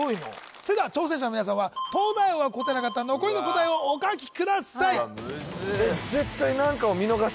それでは挑戦者の皆さんは東大王が答えなかった残りの答えをお書きください